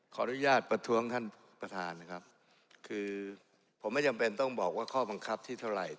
ขออนุญาตประท้วงท่านประธานนะครับคือผมไม่จำเป็นต้องบอกว่าข้อบังคับที่เท่าไหร่